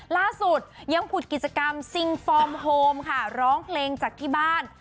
ล่าสุดยังผุดกิจกรรมซิงฟอร์มโฮมค่ะร้องเพลงจากที่บ้าน